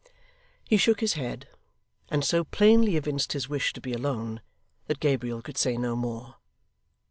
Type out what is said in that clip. He shook his head, and so plainly evinced his wish to be alone, that Gabriel could say no more.